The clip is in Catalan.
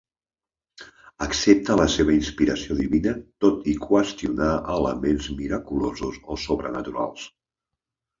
Accepta la seva inspiració divina tot i qüestionar elements miraculosos o sobrenaturals.